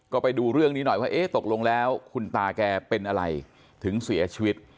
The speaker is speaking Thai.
ก็ไปดูเรื่องนี้หน่อยว่าเอ๊ะตกลงแล้วคุณตาแกเป็นอะไรถึงเสียชีวิต